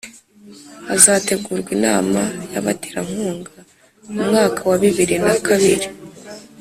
hazategurwa inama y'abaterankunga mu mwaka wa bibiri na kabiri